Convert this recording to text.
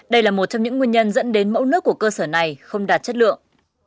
đây là một trong những nguyên nhân dẫn đến mẫu nước của cơ sở này không đạt chất lượng